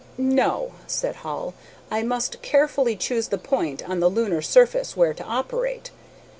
"No," said Hall, "I must carefully choose the point on the lunar surface where to operate.